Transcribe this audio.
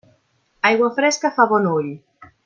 Aigua fresca fa bon ull.